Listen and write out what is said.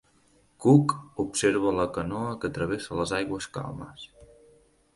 Cook observa la canoa que travessa les aigües calmes.